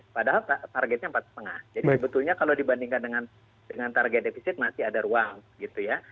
padahal targetnya empat lima jadi sebetulnya kalau dibandingkan dengan target defisit masih ada ruang gitu ya